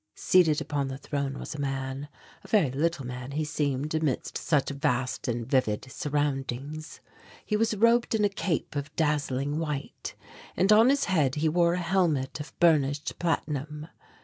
Seated upon the throne was a man a very little man he seemed amidst such vast and vivid surroundings. He was robed in a cape of dazzling white, and on his head he wore a helmet of burnished platinum.